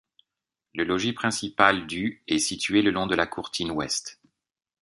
Le logis principal du est situé le long de la courtine ouest.